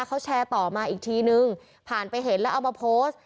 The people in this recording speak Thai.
เขาแชร์ต่อมาอีกทีนึงผ่านไปเห็นแล้วเอามาโพสต์